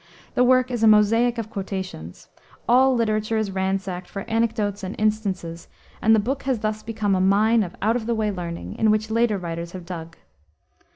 The work is a mosaic of quotations. All literature is ransacked for anecdotes and instances, and the book has thus become a mine of out of the way learning, in which later writers have dug.